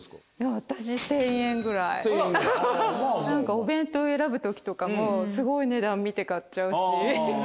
お弁当選ぶ時とかもすごい値段見て買っちゃうし。